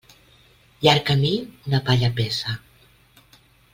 Llarg camí, una palla pesa.